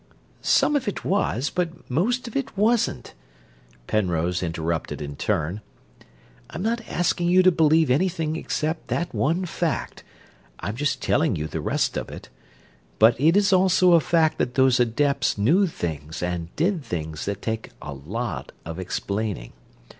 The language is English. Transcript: "Some of it was, but most of it wasn't," Penrose interrupted in turn. "I'm not asking you to believe anything except that one fact; I'm just telling you the rest of it. But it is also a fact that those adepts knew things and did things that take a lot of explaining.